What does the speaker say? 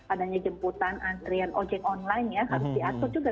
adanya jemputan antrian ojek online ya harus diatur juga